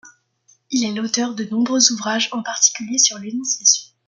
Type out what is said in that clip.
Il est l'auteur de nombreux ouvrages, en particulier sur l'énonciation.